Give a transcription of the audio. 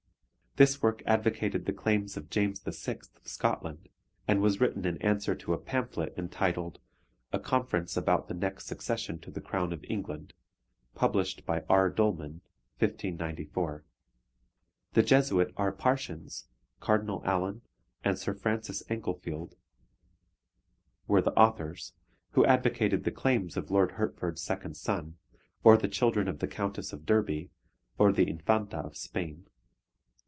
This work advocated the claims of James VI. of Scotland, and was written in answer to a pamphlet entitled A Conference about the Next Succession to the Crown of England, published by R. Doleman (1594). The Jesuit R. Parsons, Cardinal Allen, and Sir Francis Englefield were the authors, who advocated the claims of Lord Hertford's second son, or the children of the Countess of Derby, or the Infanta of Spain.